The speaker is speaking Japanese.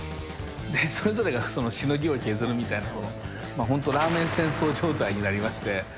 それぞれがしのぎを削るみたいな、本当、ラーメン戦争状態になりまして。